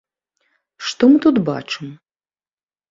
Што мы тут бачым?